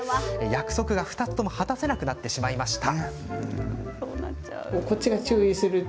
約束が２つとも果たせなくなってしまいました。